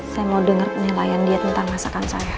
saya mau dengar penilaian dia tentang masakan saya